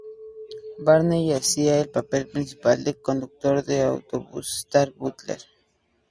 Varney hacía el papel principal del conductor de autobús Stan Butler.